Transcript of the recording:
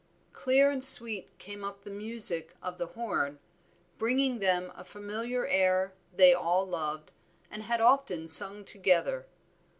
Clear and sweet came up the music of the horn, bringing them a familiar air they all loved, and had often sung together.